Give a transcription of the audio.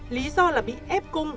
lý do là bị ép cung